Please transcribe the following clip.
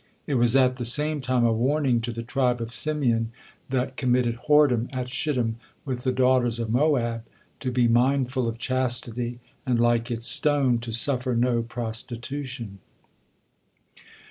It was at the same time a warning to the tribe of Simeon, that committed whoredom at Shittim with the daughters of Moab, to be mindful of chastity, and like its stone, to suffer no prostitution.